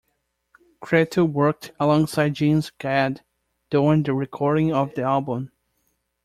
Cretu worked alongside Jens Gad during the recording of the album.